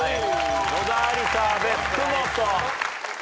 野田有田阿部福本。